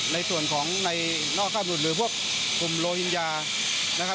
ในส่วนของแนวข้ามหรือุมโลฮินยา